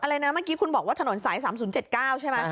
อะไรนะเมื่อกี้คุณบอกว่าถนนสาย๓๐๗๙ใช่ไหม